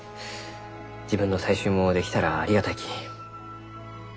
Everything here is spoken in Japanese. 自分の採集もできたらありがたいき。